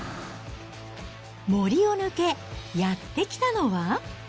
森を抜け、やって来たのは？